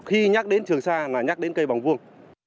khi nhắc đến trường sa là nhắc đến cây bằng vuông